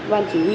văn chỉ yên